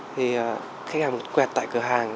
thì khách hàng quẹt tại cửa hàng rồi